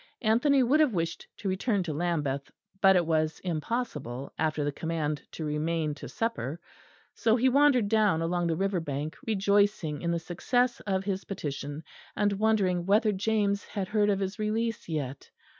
Anthony would have wished to return to Lambeth; but it was impossible, after the command to remain to supper; so he wandered down along the river bank, rejoicing in the success of his petition; and wondering whether James had heard of his release yet.